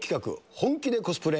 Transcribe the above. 本気でコスプレ！